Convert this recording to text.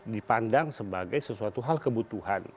dipandang sebagai sesuatu hal kebutuhan